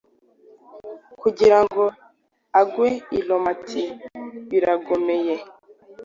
Kugira ngo agwe i Ramoti, barigomeka,